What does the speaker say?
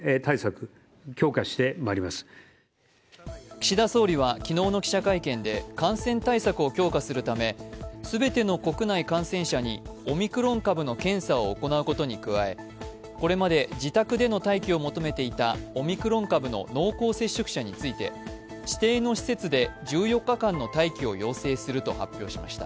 岸田総理は昨日の記者会見で感染対策を強化するため全ての国内感染者にオミクロン株の検査を行うことに加え、これまで自宅での待機を求めていたオミクロン株の濃厚接触者について指定の施設で１４日間の待機を要請すると発表しました。